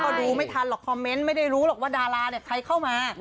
ก็ดูไม่ทันหรอกคอมเมนต์ไม่ได้รู้หรอกว่าดาราเนี่ยใครเข้ามา